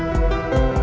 dari anjuran dekat